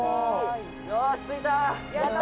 「よし着いた！」